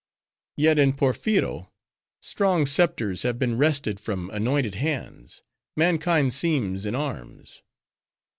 "Yet, in Porpheero, strong scepters have been wrested from anointed hands. Mankind seems in arms."